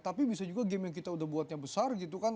tapi bisa juga game yang kita udah buatnya besar gitu kan